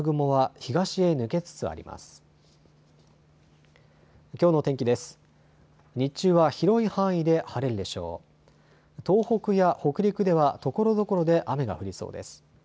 東北や北陸では、ところどころで雨が降りそうです。